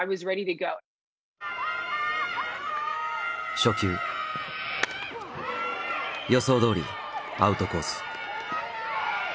初球。予想どおりアウトコース。